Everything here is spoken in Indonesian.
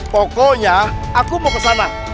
pokoknya aku mau ke sana